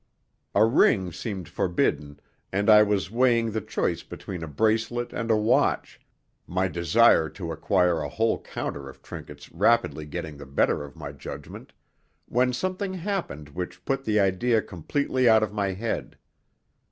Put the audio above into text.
A ring seemed forbidden, and I was weighing the choice between a bracelet and a watch, my desire to acquire a whole counter of trinkets rapidly getting the better of my judgment, when something happened which put the idea completely out of my head.